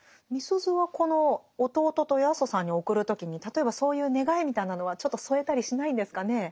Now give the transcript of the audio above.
みすゞはこの弟と八十さんに送る時に例えばそういう願いみたいなのはちょっと添えたりしないんですかね。